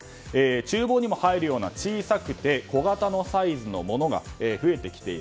厨房にも入るような小さくて小型のサイズのものが増えてきている。